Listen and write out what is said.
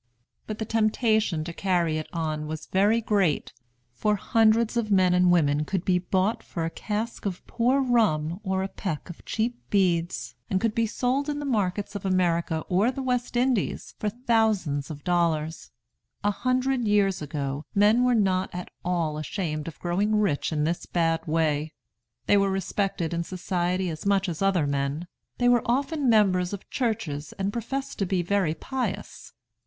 But the temptation to carry it on was very great; for hundreds of men and women could be bought for a cask of poor rum or a peck of cheap beads, and could be sold in the markets of America or the West Indies for thousands of dollars. A hundred years ago men were not at all ashamed of growing rich in this bad way. They were respected in society as much as other men. They were often members of churches and professed to be very pious.